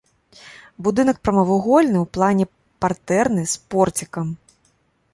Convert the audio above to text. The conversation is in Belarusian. Будынак прамавугольны ў плане, партэрны, з порцікам.